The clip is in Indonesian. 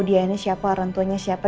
dia ini siapa orang tuanya siapa